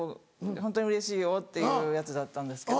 「ホントにうれしいよ」っていうやつだったんですけど。